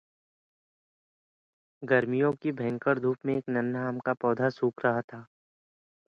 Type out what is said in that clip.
It was also mastered by Nilesh Patel at The Exchange.